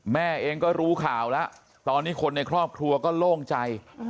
แม่เองก็รู้ข่าวแล้วตอนนี้คนในครอบครัวก็โล่งใจ